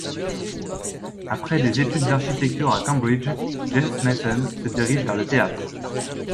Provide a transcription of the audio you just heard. Après des études d'architecture à Cambridge, James Mason se dirige vers le théâtre.